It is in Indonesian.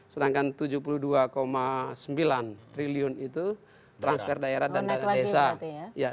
sedangkan tujuh puluh dua sembilan triliun itu transfer daerah dan dana desa